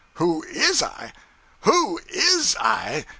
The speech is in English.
'Who is I? Who _is _I?